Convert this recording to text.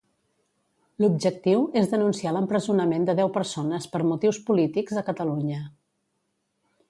L'objectiu és denunciar l'empresonament de deu persones per motius polítics a Catalunya.